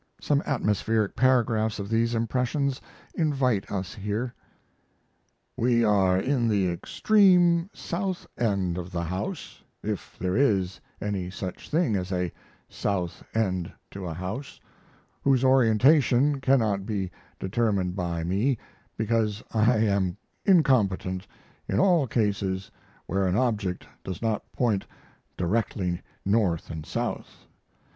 Some atmospheric paragraphs of these impressions invite us here: We are in the extreme south end of the house, if there is any such thing as a south end to a house, whose orientation cannot be determined by me, because I am incompetent in all cases where an object does not point directly north & south.